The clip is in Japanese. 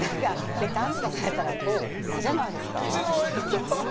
ペタンとかされたら嫌じゃないですか？